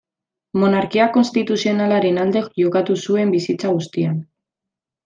Monarkia konstituzionalaren alde jokatu zuen bizitza guztian.